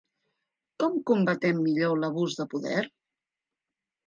Com combatem millor l’abús de poder?